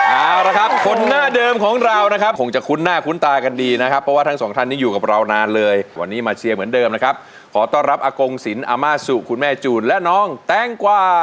เอาละครับคนหน้าเดิมของเรานะครับคงจะคุ้นหน้าคุ้นตากันดีนะครับเพราะว่าทั้งสองท่านนี้อยู่กับเรานานเลยวันนี้มาเชียร์เหมือนเดิมนะครับขอต้อนรับอากงศิลปอามาสุคุณแม่จูนและน้องแตงกว่า